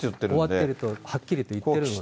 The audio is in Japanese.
終わってるとはっきりと言っているのでね。